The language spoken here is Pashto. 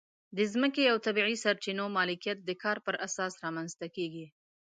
د ځمکې او طبیعي سرچینو مالکیت د کار پر اساس رامنځته کېږي.